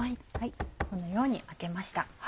このように開けました。